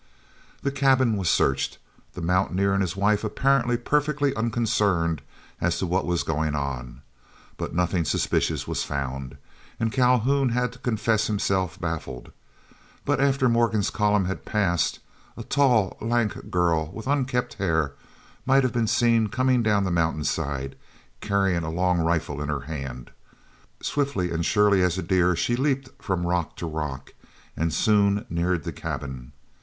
The cabin was searched—the mountaineer and his wife apparently perfectly unconcerned as to what was going on—but nothing suspicious was found, and Calhoun had to confess himself baffled. But after Morgan's column had passed, a tall, lank girl with unkempt hair might have been seen coming down the mountainside, carrying a long rifle in her hand. Swiftly and surely as a deer she leaped from rock to rock, and soon neared the cabin.